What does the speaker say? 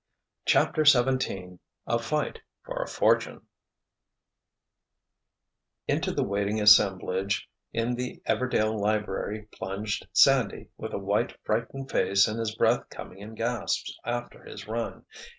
CHAPTER XVII A FIGHT FOR A FORTUNE Into the waiting assemblage in the Everdail library plunged Sandy with a white, frightened face and his breath coming in gasps after his run.